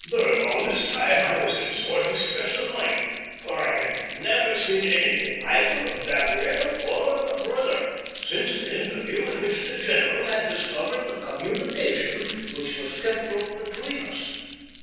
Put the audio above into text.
During all this time I was in sore distress of mind, for I had never seen anything either of Gabriel or of her brother since the interview in which the general had discovered the communication which was kept up between us.